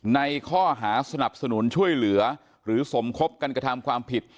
ในข้อหาสนับสนุนช่วยเหลือหรือสมคบกันกระทำความผิด